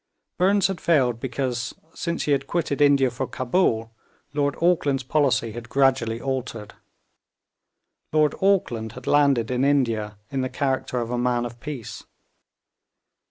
Burnes had failed because, since he had quitted India for Cabul, Lord Auckland's policy had gradually altered. Lord Auckland had landed in India in the character of a man of peace.